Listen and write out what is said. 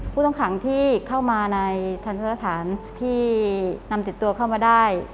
ผู้ต้องขังที่เข้ามาในทันสถานที่นำติดตัวเข้ามาได้